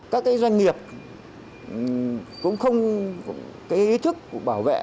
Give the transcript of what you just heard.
các doanh nghiệp cũng không có ý thức bảo vệ